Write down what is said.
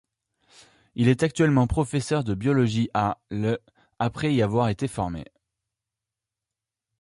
Il est actuellement professeur de biologie à l' après y avoir été formé.